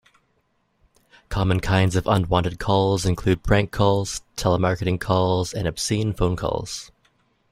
Common kinds of unwanted calls include prank calls, telemarketing calls, and obscene phone calls.